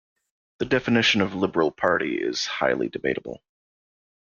The definition of liberal party is highly debatable.